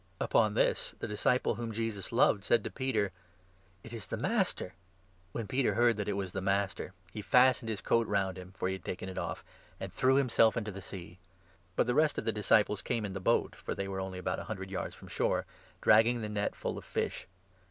Upon this the disciple whom 7 Jesus loved said to Peter :" It is the Master !" When Simon Peter heard that it was the Master, he fastened his coat round him (for he had taken it off), and threw him self into the Sea. But the rest of the disciples came in the 8 boat (for they were only about a hundred yards from shore), dragging the net full of fish.